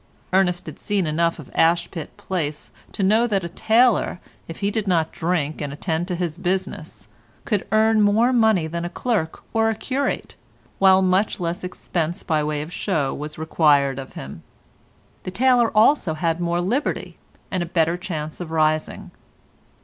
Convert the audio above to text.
Ernest had seen enough in Ashpit Place to know that a tailor, if he did not drink and attended to his business, could earn more money than a clerk or a curate, while much less expense by way of show was required of him. The tailor also had more liberty, and a better chance of rising.